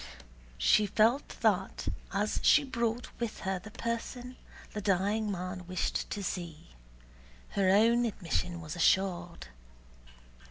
She felt that as she brought with her the person the dying man wished to see, her own admission was assured.